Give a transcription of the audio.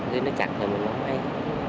khi nó chặt thì mình không thấy